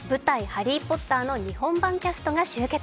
「ハリー・ポッター」の日本版キャストが集結。